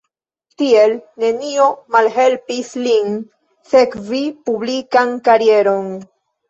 Tiel nenio malhelpis lin sekvi publikan karieron.